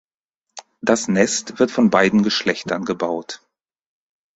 Das Nest wird von beiden Geschlechtern gebaut.